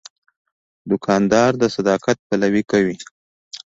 دوکاندار د صداقت پلوي کوي.